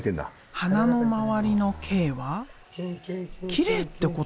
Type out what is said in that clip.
花の周りの「Ｋ」はきれいってこと？